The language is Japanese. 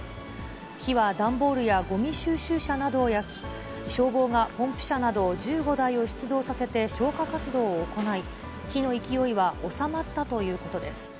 火は段ボールやごみ収集車などを焼き、消防がポンプ車など１５台を出動させて消火活動を行い、火の勢いは収まったということです。